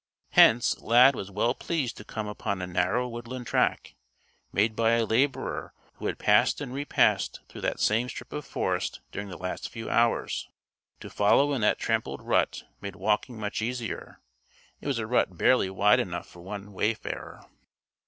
Hence Lad was well pleased to come upon a narrow woodland track; made by a laborer who had passed and repassed through that same strip of forest during the last few hours. To follow in that trampled rut made walking much easier; it was a rut barely wide enough for one wayfarer.